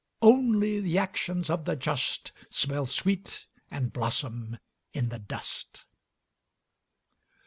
"Only the actions of the just Smell sweet and blossom in the dust."